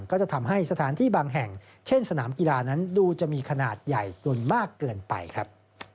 ก็จะทำให้สถานที่บางแห่งเช่นสนามกีฬานั้นดูจะมีขนาดใหญ่จนมากเกินไปครับ